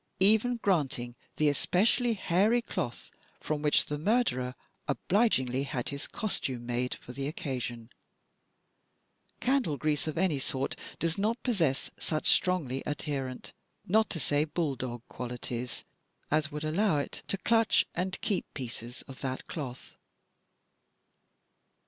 Even granting the especially hairy cloth from which the murderer obligingly had his costume made for the occasion, candle grease of any sort does not possess such strongly adherent, not to say bull dog, qualities as would allow it to clutch and keep pieces of that cloth.